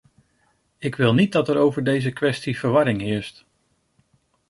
Ik wil niet dat er over deze kwestie verwarring heerst.